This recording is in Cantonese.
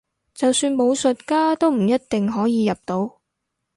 就算武術家都唔一定可以入到